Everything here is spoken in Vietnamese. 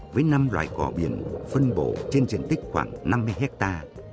với năm loài cỏ biển phân bổ trên diện tích khoảng năm mươi hecta